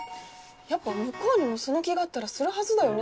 やっぱ向こうにもその気があったらするはずだよね？